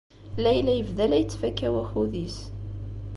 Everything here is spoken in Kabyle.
Layla yebda la yettfaka wakud-is.